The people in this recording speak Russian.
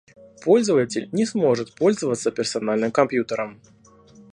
Пользователь не сможет пользоваться персональным компьютером